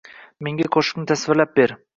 Menga qo‘shiqni tasvirlab ber